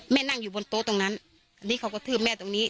นั่งอยู่บนโต๊ะตรงนั้นอันนี้เขากระทืบแม่ตรงนี้